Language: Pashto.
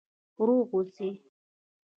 روغ اوسئ؟